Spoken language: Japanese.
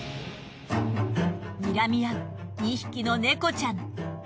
にらみあう２匹の猫ちゃん。